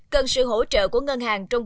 cần sự hỗ trợ của ngân hàng